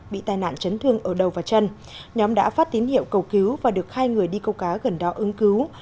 bị tai nạn chấn thương ở đầu và chân nhóm đã phát tín hiệu cầu cứu và được hai người đi câu cá gần đó ứng cứu